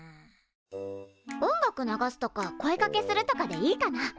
音楽流すとか声かけするとかでいいかな？